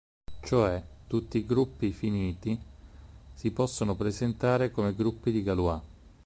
Cioè, tutti i gruppi finiti si possono presentare come gruppi di Galois.